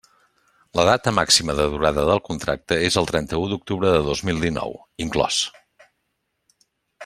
La data màxima de durada del contracte és el trenta-u d'octubre de dos mil dinou, inclòs.